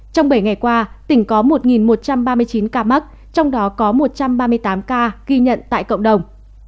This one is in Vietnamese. trong bảy ngày qua tỉnh có một một trăm ba mươi chín ca mắc trong đó có một trăm ba mươi tám ca ghi nhận tại cộng đồng